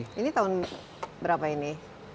ini tahun berapa ini